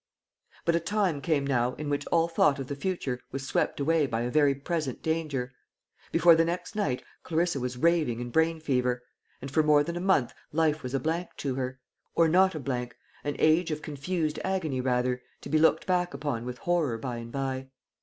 But a time came now in which all thought of the future was swept away by a very present danger. Before the next night, Clarissa was raving in brain fever; and for more than a month life was a blank to her or not a blank, an age of confused agony rather, to be looked back upon with horror by and by.